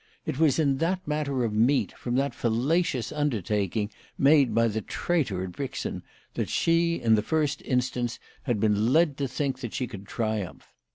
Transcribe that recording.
It was in that matter of meat, from that fallacious undertaking made by the traitor at Brixen, that she, in the first instance, had been led to think that she could triumph.